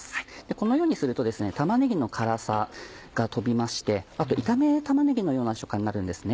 このようにすると玉ねぎの辛さが飛びまして炒め玉ねぎのような食感になるんですね。